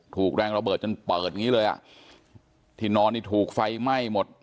ถูกแรงระเบิดจนเปิดอย่างงี้เลยอ่ะที่นอนนี่ถูกไฟไหม้หมด